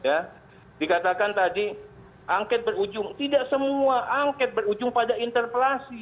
ya dikatakan tadi angket berujung tidak semua angket berujung pada interpelasi